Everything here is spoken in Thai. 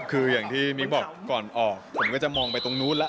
คืออย่างที่มิ๊กบอกก่อนออกผมก็จะมองไปตรงนู้นแล้ว